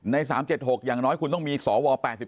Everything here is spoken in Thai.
๓๗๖อย่างน้อยคุณต้องมีสว๘